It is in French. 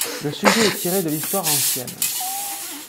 Le sujet est tiré de l'histoire ancienne.